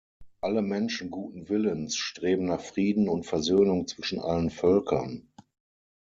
Alle Menschen guten Willens streben nach Frieden und Versöhnung zwischen allen Völkern.